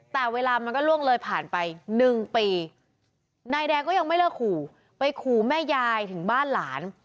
แต่เวลามันก็ล่วงเลยผ่านไป๑ปีนายแดงก็ยังไม่เลิกขู่ไปขู่แม่ยายถึงบ้านหลาน